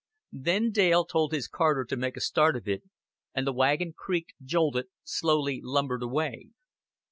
Then Dale told his carter to make a start of it, and the wagon creaked, jolted, slowly lumbered away.